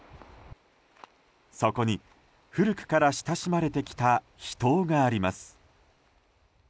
そこに、古くから親しまれてきた秘湯があります。